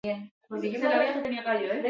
Nola desagertuko da giza espeziea?